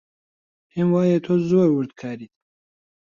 پێم وایە تۆ زۆر وردکاریت.